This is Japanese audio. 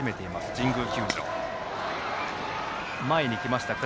神宮球場。